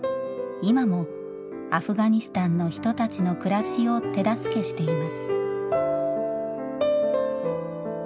今もアフガニスタンの人たちの暮らしを手助けしています。